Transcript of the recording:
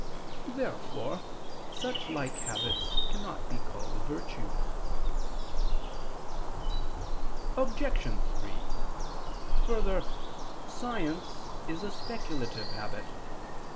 Therefore such like habits cannot be called virtues. Obj. 3: Further, science is a speculative habit.